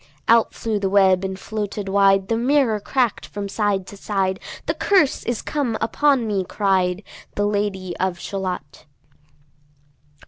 Out flew the web and floated wide; The mirror crack'd from side to side; "The curse is come upon me," cried The Lady of Shalott.